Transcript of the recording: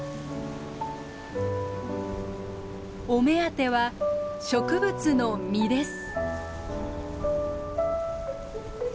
お目当ては植物の実です。